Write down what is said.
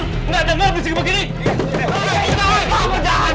gimana kek partnership